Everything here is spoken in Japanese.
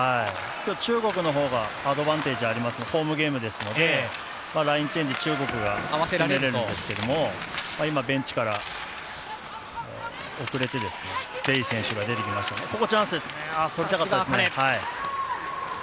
今日、中国の方がアドバンテージあります、ホームゲームですので、ラインチェンジ、中国が進められるんですけれども今、ベンチから遅れて、ベイ選手が出てきましたね。